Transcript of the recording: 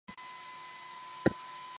ボワソナードタワーは立派である